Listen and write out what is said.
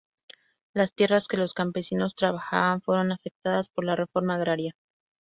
Las tierras que los campesinos trabajaban, fueron afectadas por la reforma agraria.